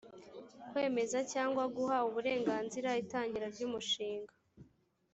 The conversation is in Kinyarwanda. kwemeza cyangwa guha uburenganzira itangira ry’umushinga